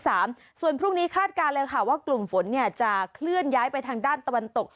ส่วนพรุ่งนี้คาดการณ์เลยค่ะว่ากลุ่มฝนจะเคลื่อนย้ายไปทางด้านตะวันตก